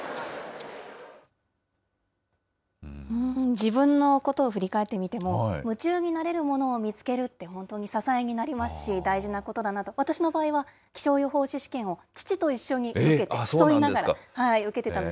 自分のことを振り返ってみても、夢中になれるものを見つけるって本当に支えになりますし、大事なことだなと、私の場合は気象予報士試験を父と一緒に受けて、競いながら受けてたんです。